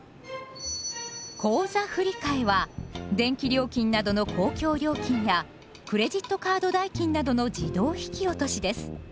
「口座振替」は電気料金などの公共料金やクレジットカード代金などの自動引き落としです。